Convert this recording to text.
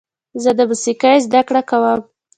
زه د موسیقۍ زده کړه کوم.